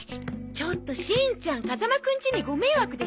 ちょっとしんちゃん風間くんちにご迷惑でしょう？